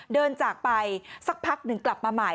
เดินจากไปสักพักหนึ่งกลับมาใหม่